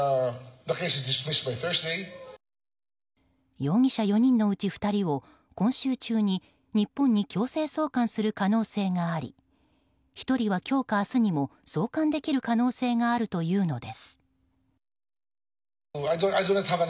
容疑者４人のうち２人を今週中に日本に強制送還する可能性があり１人は今日か明日にも送還できる可能性があるというのです。